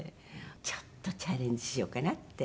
ちょっとチャレンジしようかなって。